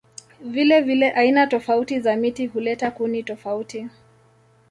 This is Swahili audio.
Vilevile aina tofauti za miti huleta kuni tofauti.